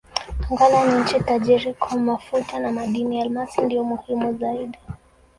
Angola ni nchi tajiri kwa mafuta na madini: almasi ndiyo muhimu zaidi.